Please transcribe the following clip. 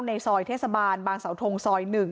ในซอยเทศบาลบางสาวทงซอย๑